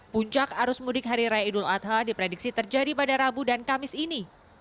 puncak arus mudik hari raya idul adha diprediksi terjadi pada rabu dan kamis ini